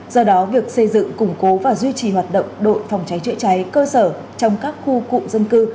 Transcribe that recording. do đó việc xây dựng củng cố và duy trì hoạt động đội phòng cháy chữa cháy cơ sở trong các khu cụm dân cư